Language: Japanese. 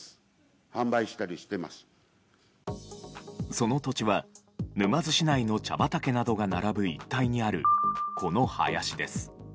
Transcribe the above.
その土地は沼津市内の茶畑などが並ぶ一帯にあるこの林です。